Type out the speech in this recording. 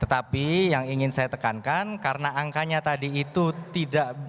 tetapi yang ingin saya tekankan karena angkanya tadi itu tidak